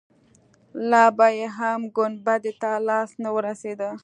لا به يې هم ګنبدې ته لاس نه وررسېده.